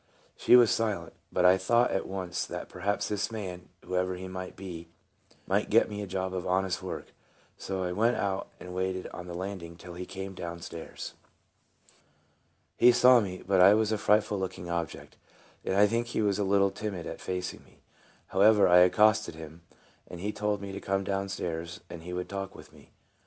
She was silent, but I thought at once that perhaps this man, whoever he might be, might get me a job of honest work; so I went out and waited on the landing till he came t down stairs. He saw me; but I was a frightful looking object, and I think he was a little timid at facing me. However, I accosted him, and he told me to come down stairs and he would talk with me.